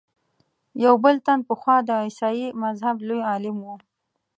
یو بل تن پخوا د عیسایي مذهب لوی عالم و.